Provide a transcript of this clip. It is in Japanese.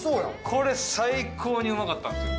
これ最高にうまかったんですよ。